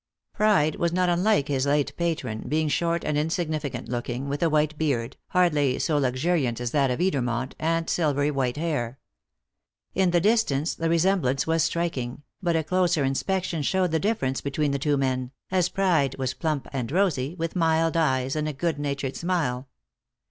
Pride was not unlike his late patron, being short and insignificant looking, with a white beard, hardly so luxuriant as that of Edermont, and silvery white hair. In the distance the resemblance was striking, but a closer inspection showed the difference between the two men, as Pride was plump and rosy, with mild eyes and a good natured smile.